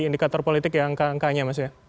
indikator politik yang kakaknya